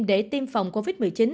để tiêm phòng covid một mươi chín